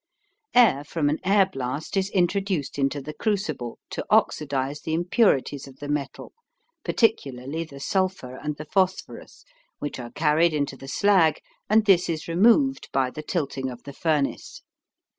Air from an air blast is introduced into the crucible to oxidize the impurities of the metal, particularly the sulphur and the phosphorus which are carried into the slag and this is removed by the tilting of the furnace.